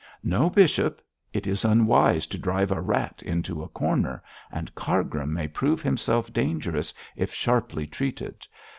'No, bishop. It is unwise to drive a rat into a corner; and Cargrim may prove himself dangerous if sharply treated.